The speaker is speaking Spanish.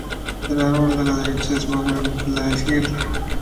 El árbol de la derecha es más grande que el de la izquierda.